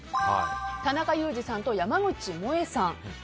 田中裕二さんと山口もえさん。